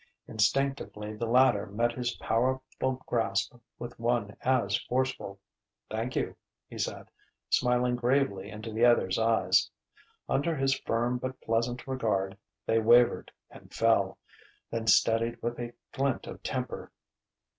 Instinctively the latter met his powerful grasp with one as forceful. "Thank you," he said, smiling gravely into the other's eyes. Under his firm but pleasant regard they wavered and fell, then steadied with a glint of temper.